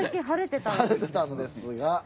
晴れてたんですが。